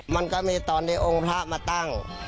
มันก็มีตอนในองค์พระมาตั้ง